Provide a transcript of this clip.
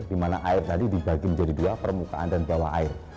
di mana air tadi dibagi menjadi dua permukaan dan bawah air